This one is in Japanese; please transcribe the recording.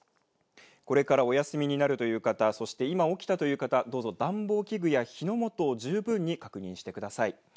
これからお休みになるという方、そして今起きたという方、どうぞ暖房器具や火の元を十分に確認してください。